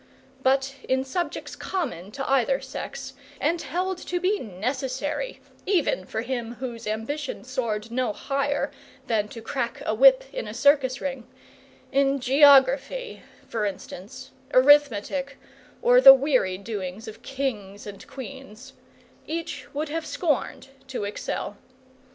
But in subjects common to either sex, and held to be necessary even for him whose ambition soared no higher than to crack a whip in a circus ring in geography, for instance, arithmetic, or the weary doings of kings and queens each would have scorned to excel.